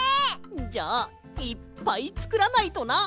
じゃあいっぱいつくらないとな。